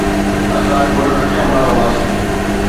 اسان ڪل اٺ ماڻهو هئاسين.